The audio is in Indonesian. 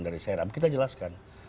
dari seram kita jelaskan